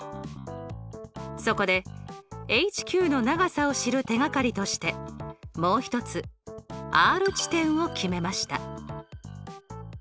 そこでＨＱの長さを知る手がかりとしてもうひとつＲ地点を決めました。